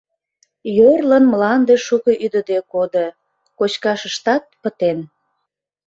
Йорлын мланде шуко ӱдыде кодо, кочкашыштат пытен.